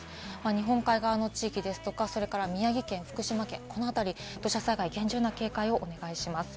日本海側の地域ですとか、それから宮城県、福島県、この辺り土砂災害厳重な警戒をお願いします。